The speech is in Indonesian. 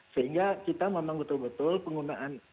sehingga kita memang betul betul penggunaan